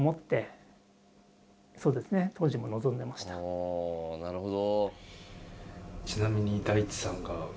ああなるほど。